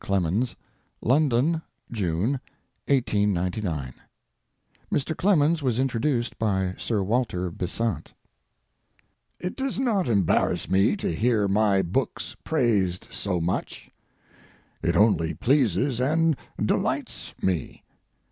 CLEMENS, LONDON, JUNE, 1899 Mr. Clemens was introduced by Sir Walter Besant. It does not embarrass me to hear my books praised so much. It only pleases and delights me.